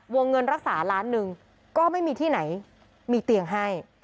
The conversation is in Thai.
เงินรักษาล้านหนึ่งก็ไม่มีที่ไหนมีเตียงให้